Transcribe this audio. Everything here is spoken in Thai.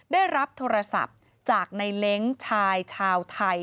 ได้รับโทรศัพท์จากในเล้งชายชาวไทย